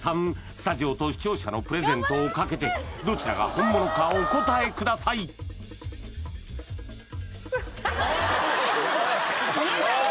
スタジオと視聴者のプレゼントをかけてどちらが本物かお答えください家？